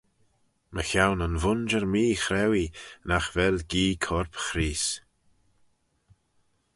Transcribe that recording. Mychione yn vooinjer meechrauee nagh vel gee corp Chreest.